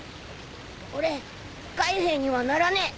俺海兵にはならねえ。